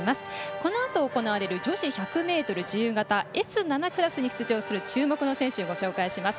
このあと行われる女子１００ｍ自由形Ｓ７クラスに出場する注目の選手をご紹介します。